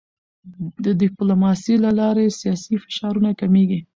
د ډیپلوماسی له لارې سیاسي فشارونه کمېږي.